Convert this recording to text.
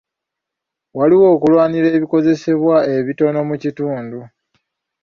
Waliwo okulwanira ebikozesebwa ebitono mu kitundu.